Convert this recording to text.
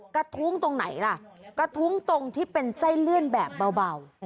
กระทุ้งตรงไหนล่ะกระทุ้งตรงที่เป็นไส้เลื่อนแบบเบา